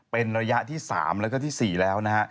เป็นระยะที่๓แล้วก็ที่๔แล้วนะฮะ